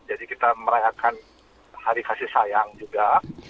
jadi kita merayakan hari kasih sayang juga